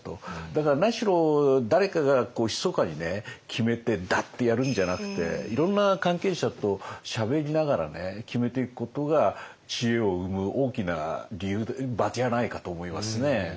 だから何しろ誰かがひそかに決めてダッてやるんじゃなくていろんな関係者としゃべりながら決めていくことが知恵を生む大きな理由場じゃないかと思いますね。